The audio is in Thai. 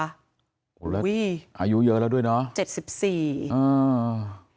อายุเยอะแล้วด้วยเนาะ๗๔